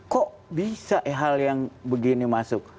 kok bisa hal yang begini masuk